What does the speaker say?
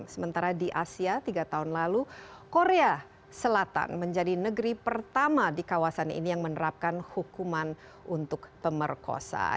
sementara di asia tiga tahun lalu korea selatan menjadi negeri pertama di kawasan ini yang menerapkan hukuman untuk pemerkosa